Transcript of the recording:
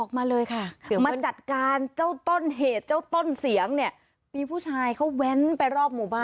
มีผู้ชายเขาแว้นไปรอบหมู่บ้าน